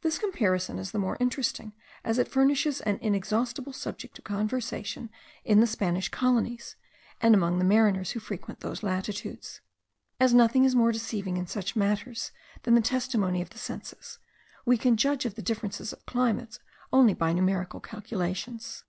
This comparison is the more interesting, as it furnishes an inexhaustible subject of conversation in the Spanish colonies, and among the mariners who frequent those latitudes. As nothing is more deceiving in such matters than the testimony of the senses, we can judge of the difference of climates only by numerical calculations.